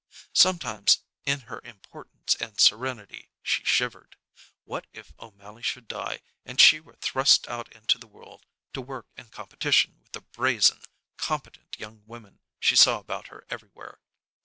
Sometimes, in her importance and serenity, she shivered. What if O'Mally should die, and she were thrust out into the world to work in competition with the brazen, competent young women she saw about her everywhere?